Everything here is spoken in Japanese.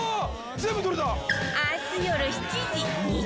全部取れた！